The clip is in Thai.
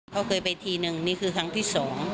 เค้าเคยไปทีหนึ่งคลังที่๒